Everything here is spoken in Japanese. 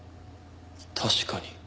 確かに。